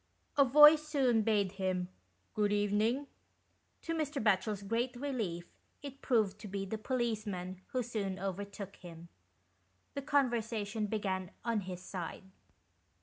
A voice soon bade him " Good evening." To Mr. Batchel's great relief it proved to be the policeman, who soon overtook him. The con versation began on his side.